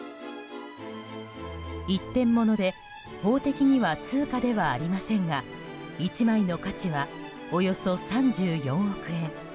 一点物で法的には通貨ではありませんが１枚の価値は、およそ３４億円。